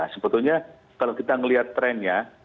sebetulnya kalau kita melihat trennya